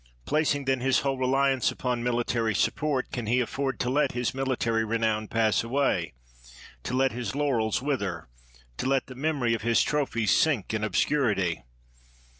Placing, then, his whole reliance upon military support, can he afford to let his military renown pass away, to let his laurels wither, to let the memory of his trophies sink in obscuritj'?